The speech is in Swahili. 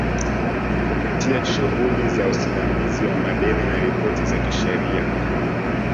kupitia shughuli za usimamizi wa madeni na ripoti za kisheria